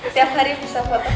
tiap hari bisa foto